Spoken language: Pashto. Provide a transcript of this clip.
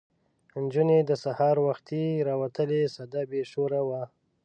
نجونې سهار وختي راوتلې سده بې شوره وه.